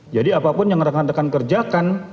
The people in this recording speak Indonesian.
jadi apapun yang rekan rekan kerjakan